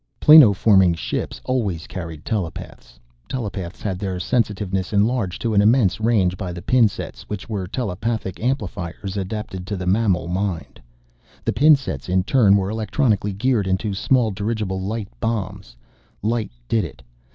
Planoforming ships always carried telepaths. Telepaths had their sensitiveness enlarged to an immense range by the pin sets, which were telepathic amplifiers adapted to the mammal mind. The pin sets in turn were electronically geared into small dirigible light bombs. Light did it.